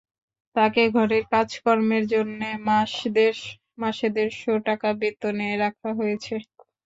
তাকে ঘরের কাজকর্মের জন্যে মাসে দেড় শ টাকা বেতনে রাখা হয়েছে।